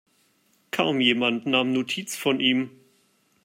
Kaum jemand nahm Notiz von ihm.